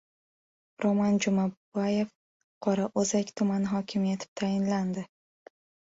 Roman Jumabayev Qorao‘zak tumani hokimi etib tayinlandi